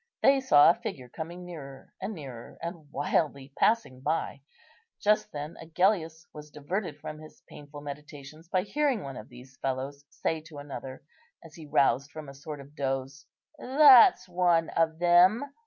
They saw a figure coming nearer and nearer and wildly passing by. Just then Agellius was diverted from his painful meditations by hearing one of these fellows say to another, as he roused from a sort of doze, "That's one of them.